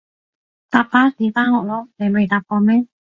搭巴士返學囉，你未搭過咩？